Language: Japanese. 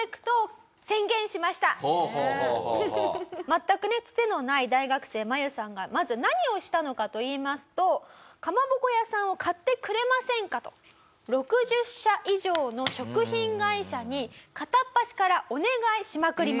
全くねつてのない大学生マユさんがまず何をしたのかといいますと「かまぼこ屋さんを買ってくれませんか？」と６０社以上の食品会社に片っ端からお願いしまくりました。